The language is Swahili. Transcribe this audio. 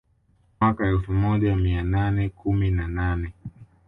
Mwaka elfu moja mia nane kumi na nane